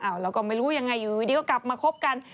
เราก็ไม่รู้ยังไงอยู่ดีก็กลับมาคบกัน